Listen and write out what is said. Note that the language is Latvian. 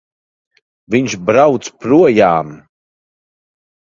Viņš brauc projām!